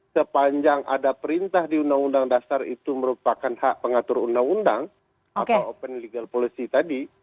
sepanjang ada perintah di undang undang dasar itu merupakan hak pengatur undang undang atau open legal policy tadi